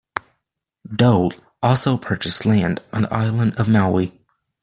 Dole also purchased land on the island of Maui.